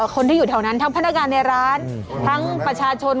คนที่อยู่แถวนั้นทั้งพนักงานในร้านทั้งประชาชน